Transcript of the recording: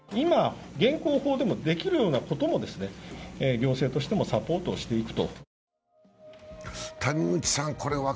今、現行法でもできるようなことを行政としてもサポートしていくと。